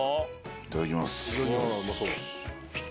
いただきます。